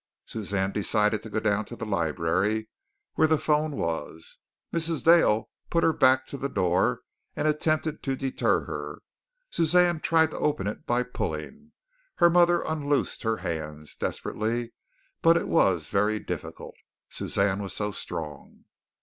Suzanne decided to go down to the library where the phone was. Mrs. Dale put her back to the door and attempted to deter her. Suzanne tried to open it by pulling. Her mother unloosed her hands desperately, but it was very difficult, Suzanne was so strong.